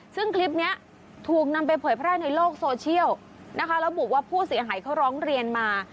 ซึ่งคลิปนี้ถูกนำไปเผยแพร่ในโลกโซเชียลนะคะระบุว่าผู้เสียหายเขาร้องเรียนมา